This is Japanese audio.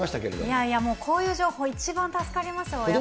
いやいやもう、こういう情報一番助かります。